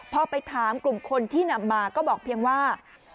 พอไปถามกลุ่มคนที่นำมาก็บอกเพียงว่า